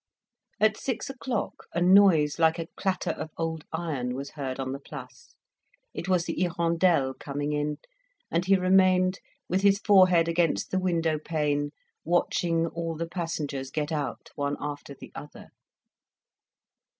At six o'clock a noise like a clatter of old iron was heard on the Place; it was the "Hirondelle" coming in, and he remained with his forehead against the windowpane, watching all the passengers get out, one after the other.